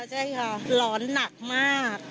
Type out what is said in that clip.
หลอนหนักมาก